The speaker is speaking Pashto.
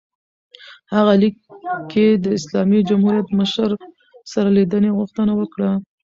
هغه لیک کې د اسلامي جمهوریت مشر سره لیدنې غوښتنه وکړه.